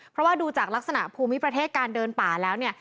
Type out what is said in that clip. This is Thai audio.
เพราะว่าดูจากลักษณะภูมิประเทศการเดินป่าแล้วเนี่ย